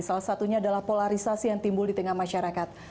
salah satunya adalah polarisasi yang timbul di tengah masyarakat